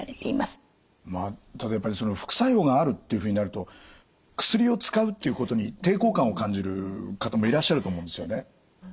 ただやっぱりその副作用があるっていうふうになると薬を使うっていうことに抵抗感を感じる方もいらっしゃると思うんですよね。